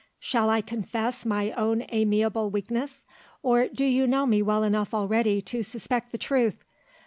Shall I confess my own amiable weakness? or do you know me well enough already to suspect the truth?